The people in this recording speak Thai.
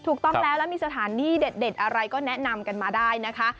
ถูกต้องแล้วแล้วมีสถานที่เด็ดอะไรก็แนะนำกันมาได้นะคะ